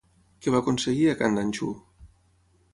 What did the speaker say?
Què va aconseguir a Candanchú?